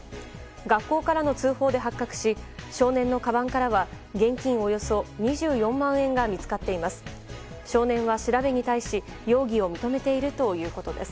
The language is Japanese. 学校からの通報で発覚し少年のかばんからは現金およそ２７万５０００円が見つかっています。